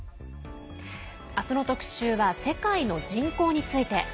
明日の特集は世界の人口について。